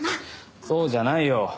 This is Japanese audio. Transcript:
そうじゃないよ。